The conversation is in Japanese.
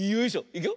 いくよ。